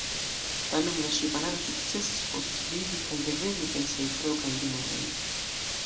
Tamen la ŝipanaro sukcesis postvivi kaj reveni per siaj propraj rimedoj.